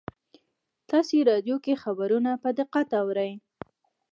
تاسې راډیو کې خبرونه په دقت اورئ